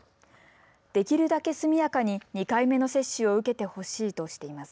できるだけ速やかに２回目の接種を受けてほしいとしています。